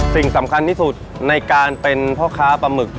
สิ่งสำคัญที่สุดในการเป็นพ่อค้าปลาหมึก